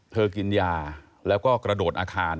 กินยาแล้วก็กระโดดอาคาร